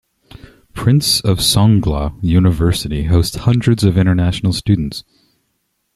Prince of Songkla University hosts hundreds of international students.